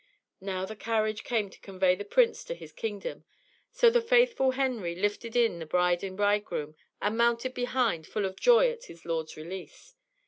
Now the carriage came to convey the prince to his kingdom, so the faithful Henry lifted in the bride and bridegroom, and mounted behind, full of joy at his lord's release.